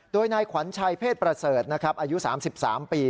โดยนายขวัญชัยเพศประเสริฐนะครับอายุ๓๓ปี